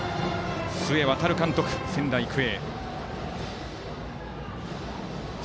須江航監督、仙台育英。